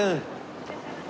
いらっしゃいませ。